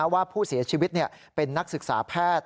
ว่าผู้เสียชีวิตเป็นนักศึกษาแพทย์